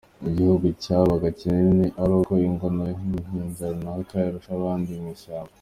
Igihugu cyabaga kinini ari uko Ingoma y’Umuhinza runaka irusha abandi ishyamba.